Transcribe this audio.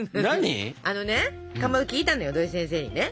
あのねかまど聞いたのよ土井先生にね。